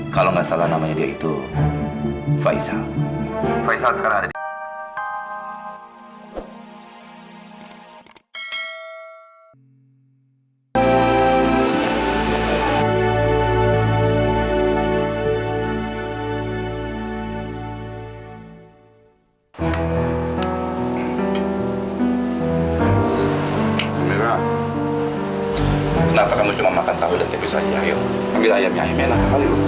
kalau saya sih udah biasa makan tahu tempe doang